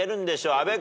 阿部君。